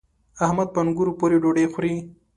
احمد په انګورو پورې ډوډۍ خوري.